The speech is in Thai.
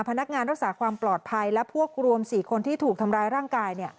พนักงานรักษาความปลอดภัยและพวกรวม๔คนที่ถูกทำร้ายร่างกาย